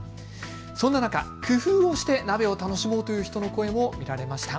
そんな中、工夫をして鍋を楽しもうという人たちの声も見られました。